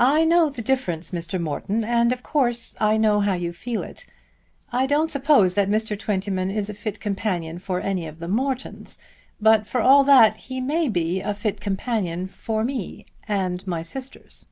"I know the difference, Mr. Morton, and of course I know how you feel it. I don't suppose that Mr. Twentyman is a fit companion for any of the Mortons, but for all that he may be a fit companion for me, and my sisters."